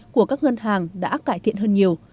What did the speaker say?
của các ngân hàng đã cải thiện hơn nhiều